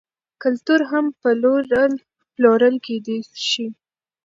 کلتور هم پلورل کیدی شي.